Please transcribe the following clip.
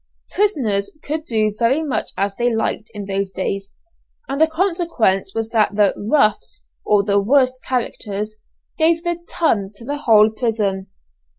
Prisoners could do very much as they liked in those days, and the consequence was that the "roughs," or the worst characters, gave the "ton" to the whole prison.